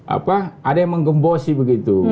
apa ada yang menggembosi begitu